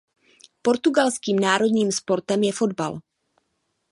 Portugalským národním sportem je fotbal.